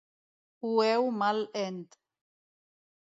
Ho heu mal ent